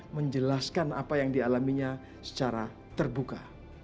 menjelaskan apa yang dialaminya secara terbuka